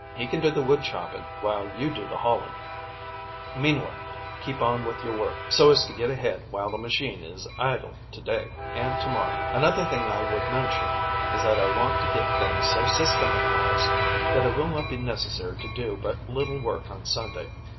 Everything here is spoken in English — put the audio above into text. He can do the wood chopping while you do the hauling; meanwhile, keep on with your work, so as to get ahead while the machine is idle to day and to morrow. Another thing I would mention is that I want to get things so systematized that it will not be necessary to do but little work on Sunday.